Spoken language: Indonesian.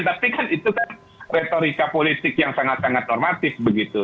tapi kan itu kan retorika politik yang sangat sangat normatif begitu